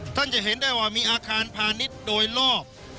ท่านจะเห็นได้ว่ามีอาคารพาณิชย์โดยรอบ